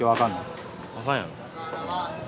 あかんやろ。